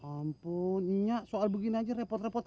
ampunnya soal begini aja repot repot